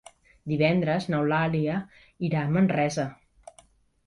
Divendres n'Eulàlia irà a Manresa.